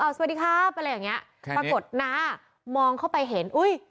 สวัสดีครับอะไรอย่างเงี้ยครับปรากฏน้ามองเข้าไปเห็นอุ้ย